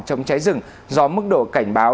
trong trái rừng do mức độ cảnh báo